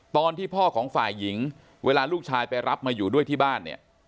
ตอนที่พ่อของฝ่ายหญิงเวลาลูกชายไปรับมาอยู่ด้วยที่บ้านเนี่ย